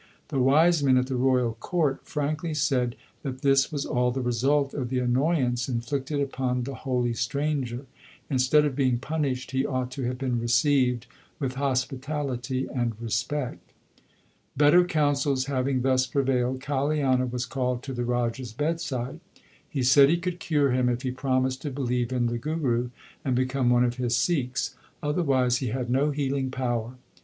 The wise men at the royal court frankly said that this was all the result of the annoyance inflicted upon the holy stranger. Instead of being punished, he ought to have been received with hospitality and respect. Better counsels having thus prevailed, Kaliana was called to the Raja s bedside. He said he could cure him if he promised to believe in the Guru and become one of his Sikhs ; otherwise he had no healing power.